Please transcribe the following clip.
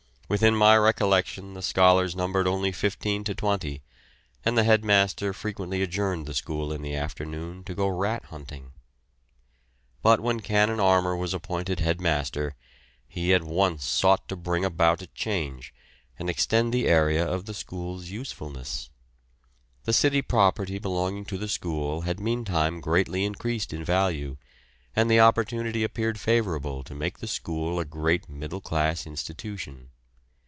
Within my recollection the scholars numbered only fifteen to twenty, and the head master frequently adjourned the school in the afternoon to go rat hunting. But when Canon Armour was appointed head master, he at once sought to bring about a change and extend the area of the school's usefulness. The city property belonging to the school had meantime greatly increased in value, and the opportunity appeared favourable to make the school a great middle class institution.